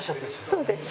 そうです。